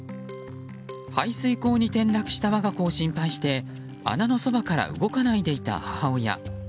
排水溝に転落した我が子を心配して穴のそばから動かないでいた母親。